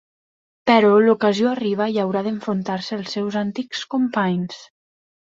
Però l'ocasió arriba i haurà d'enfrontar-se als seus antics companys.